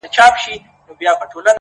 اوس چي د مځكي كرې اور اخيستـــــى ـ